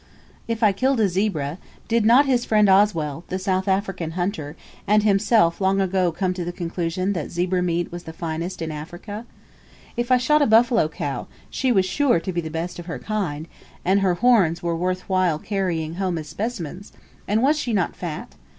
If I killed a zebra, did not his friend Oswell the South African hunter and himself long ago come to the conclusion that zebra meat was the finest in Africa? If I shot a buffalo cow, she was sure to be the best of her kind, and her horns were worth while carrying home as specimens; and was she not fat?